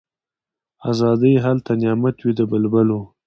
آزادي هلته نعمت وي د بلبلو